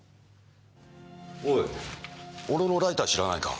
おい俺のライター知らないか？